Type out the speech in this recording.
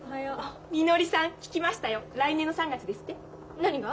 何が？